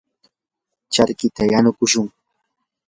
charkita yanukushun.